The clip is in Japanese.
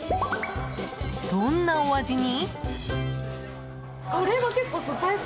どんなお味に？